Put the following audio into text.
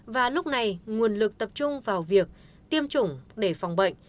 và lúc này nguồn lực tập trung vào việc tiêm chủng để phòng bệnh